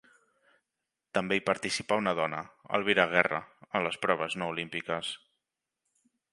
També hi participà una dona, Elvira Guerra, a les proves no olímpiques.